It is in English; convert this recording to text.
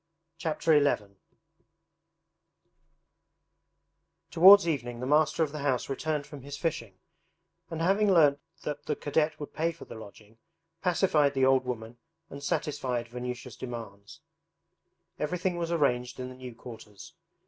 Chapter XI Towards evening the master of the house returned from his fishing, and having learnt that the cadet would pay for the lodging, pacified the old woman and satisfied Vanyusha's demands. Everything was arranged in the new quarters.